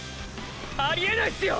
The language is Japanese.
ありえないすよ！！